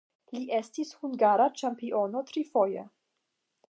Li estis hungara ĉampiono trifoje.